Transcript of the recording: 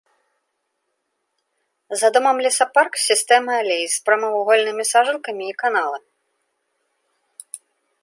За домам лесапарк з сістэмай алей і з прамавугольнымі сажалкамі і каналамі.